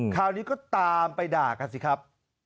คราวนี้ก็ตามไปด่ากันสิครับ